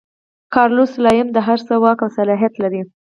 کارلوس سلایم د هر څه واک او صلاحیت لري.